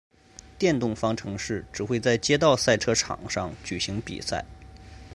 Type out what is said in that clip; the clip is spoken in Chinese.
电动方程式只会在街道赛车场上举行比赛。